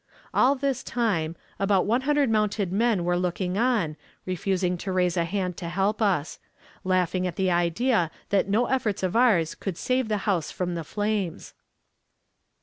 All this time, about one hundred mounted men were looking on, refusing to raise a hand to help us; laughing at the idea that no efforts of ours could save the house from the flames.